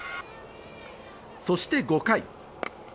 そして５回。